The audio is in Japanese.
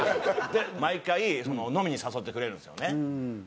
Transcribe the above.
毎回飲みに誘ってくれるんですよね。